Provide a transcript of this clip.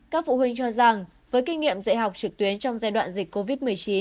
các phụ huynh cho rằng với kinh nghiệm dạy học trực tuyến trong giai đoạn dịch covid một mươi chín